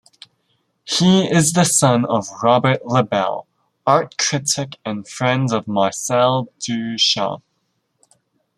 He is the son of Robert Lebel, art critic and friend of Marcel Duchamp.